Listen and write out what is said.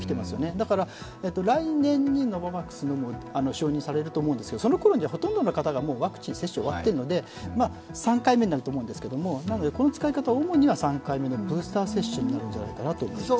だから来年にノババックスが承認されると思うんですけれども、そのころにはほとんどの方がもうワクチンの接種が終わっているので、３回目になると思うんですがこの使い方は３回目のブースター接種になるんじゃないかなと思います。